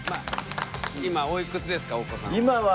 今おいくつですかお子さんは。